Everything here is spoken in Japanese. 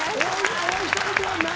お会いしたことはない？